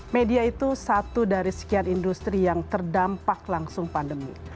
media itu satu dari sekian industri yang terdampak langsung pandemi